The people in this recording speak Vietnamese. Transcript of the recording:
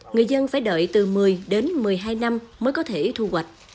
người dân phải đợi từ một mươi đến một mươi hai năm mới có thể thu hoạch